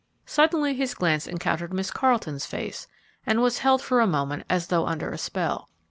Suddenly his glance encountered Miss Carleton's face and was held for a moment as though under a spell.